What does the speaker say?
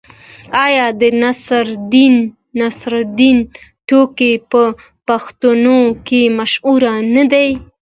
آیا د نصرالدین ټوکې په پښتنو کې مشهورې نه دي؟